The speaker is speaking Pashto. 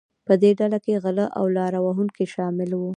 په دې ډله کې غلۀ او لاره وهونکي شامل وو.